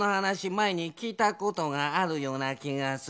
まえにきいたことがあるようなきがするなぁ。